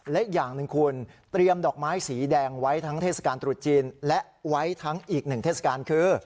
และอีกอย่างหนึ่งคุณเตรียมดอกไม้สีแดงไว้ทั้งเทศกาลตรุษจีนและไว้ทั้งอีกหนึ่งเทศกาลคือ